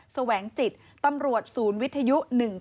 แสวงจิตตำรวจศูนย์วิทยุ๑๙